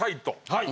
はい。